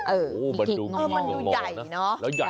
โอ้โฮมันดูมีมันดูใหญ่นะ